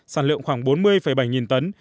sản lượng khoảng bốn mươi bảy tấn